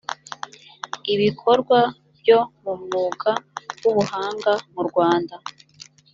ibikorwa byo mu mwuga w ubuhanga mu rwanda